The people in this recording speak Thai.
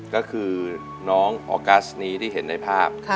ก็คือน้องออกัสนี้ที่เห็นในภาพ